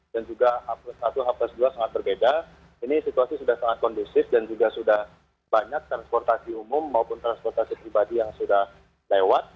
dan juga hapus satu hapus dua sangat berbeda ini situasi sudah sangat kondusif dan juga sudah banyak transportasi umum maupun transportasi pribadi yang sudah lewat